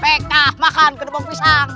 pek tah makan kedepok pisang